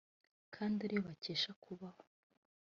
kandi ari yo bakesha kubaho